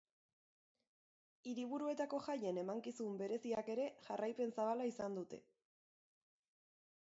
Hiriburuetako jaien emankizun bereziak ere jarraipen zabala izan dute.